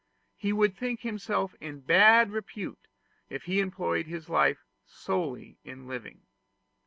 He would think himself in bad repute if he employed his life solely in living.